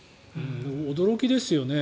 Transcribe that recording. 驚きですよね。